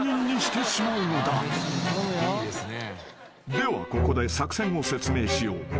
［ではここで作戦を説明しよう］